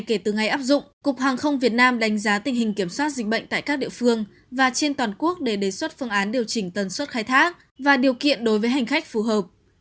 kể từ ngày áp dụng cục hàng không việt nam đánh giá tình hình kiểm soát dịch bệnh tại các địa phương và trên toàn quốc để đề xuất phương án điều chỉnh tần suất khai thác và điều kiện đối với hành khách phù hợp